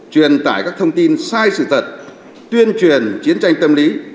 truyền tải các thông tin sai sự thật tuyên truyền chiến tranh tâm lý